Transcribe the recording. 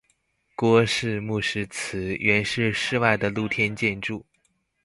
郭氏墓石祠原是室外的露天建筑。